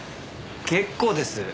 結構です。